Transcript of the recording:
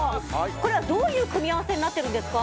これはどういう組み合わせになってるんですか？